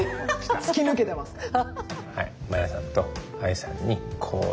突き抜けてますから。